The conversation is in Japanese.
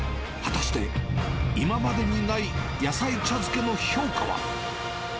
果たして今までにない野菜茶漬けの評価は？